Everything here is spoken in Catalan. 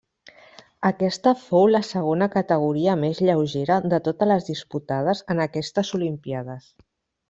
Aquesta fou la segona categoria més lleugera de totes les disputades en aquestes olimpíades.